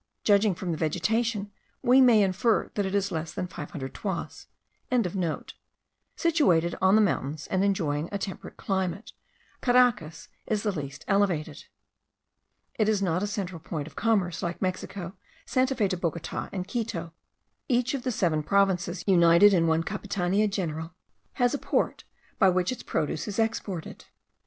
Judging from the vegetation, we may infer that it is less than 500 toises.) situated on the mountains, and enjoying a temperate climate, Caracas is the least elevated. It is not a central point of commerce, like Mexico, Santa Fe de Bogota, and Quito. Each of the seven provinces united in one capitania general has a port, by which its produce is exported.